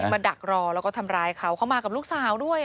ดักรอแล้วก็ทำร้ายเขาเขามากับลูกสาวด้วย